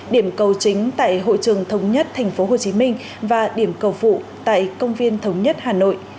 điểm cầu chính tại hội trường thống nhất tp hcm và điểm cầu phụ tại công viên thống nhất hà nội